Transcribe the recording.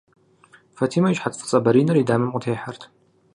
Фатимэ и щхьэц фӏыцӏэ бэринэр и дамэм къытехьэрт.